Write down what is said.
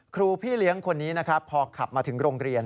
ครูพี่เลี้ยงคนนี้พอขับมาถึงโรงเรียน